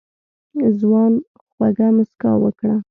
ځوان خوږه موسکا وکړه.